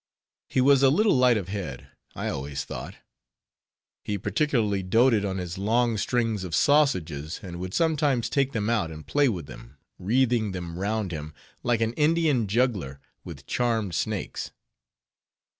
He was a little light of head, I always thought. He particularly doated on his long strings of sausages; and would sometimes take them out, and play with them, wreathing them round him, like an Indian juggler with charmed snakes.